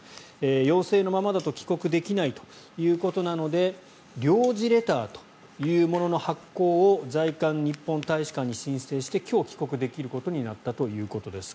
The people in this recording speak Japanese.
陽性のままだと帰国できないということなので領事レターというものの発行を在韓日本大使館に申請して今日帰国できるようになったということです。